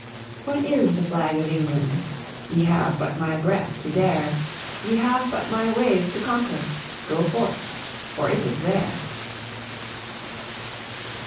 What is the Flag of England? Ye have but my breath to dare, Ye have but my waves to conquer. Go forth, for it is there!"